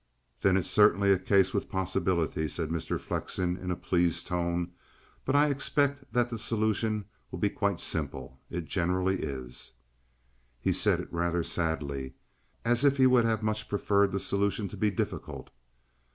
"Then it's certainly a case with possibilities," said Mr. Flexen in a pleased tone. "But I expect that the solution will be quite simple. It generally is." He said it rather sadly, as if he would have much preferred the solution to be difficult.